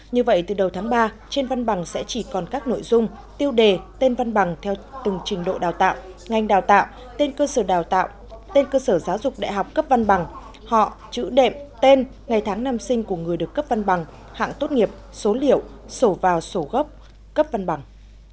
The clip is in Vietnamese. như vậy từ đầu tháng ba trên văn bằng sẽ chỉ còn các nội dung tiêu đề tên văn bằng theo từng trình độ đào tạo ngành đào tạo tên cơ sở đào tạo tên cơ sở giáo dục đại học cấp văn bằng họ chữ đệm tên ngày tháng năm sinh của người được cấp văn bằng hạng tốt nghiệp số liệu sổ vào sổ gốc cấp văn bằng